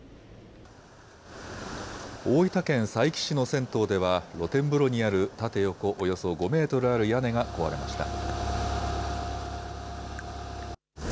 大分県佐伯市の銭湯では露天風呂にある縦横およそ５メートルある屋根が壊れました。